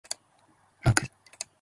泣く